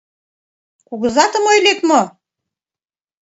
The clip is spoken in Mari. Кугызатым ойлет мо?